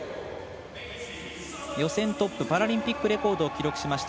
予選トップパラリンピックレコードを記録しました